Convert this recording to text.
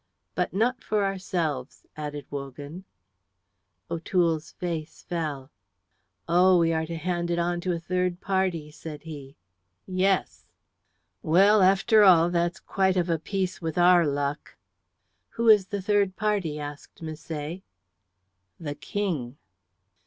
"But not for ourselves," added Wogan. O'Toole's face fell. "Oh, we are to hand it on to a third party," said he. "Yes." "Well, after all, that's quite of a piece with our luck." "Who is the third party?" asked Misset. "The King."